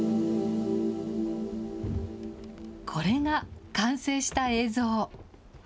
これが完成した映像。